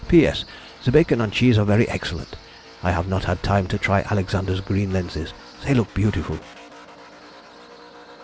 P.S.—The bacon and cheese are very excellent. I have not had time to try Alexander's green lenses; they look beautiful.